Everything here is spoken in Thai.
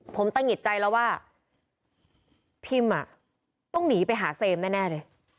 ผมตะหงิดใจแล้วว่าพิมต้องหนีไปหาเซมแน่เลย